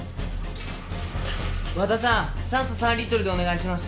和田さん酸素３リットルでお願いします。